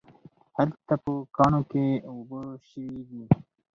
هلته په کاڼو کې اوبه شوي دي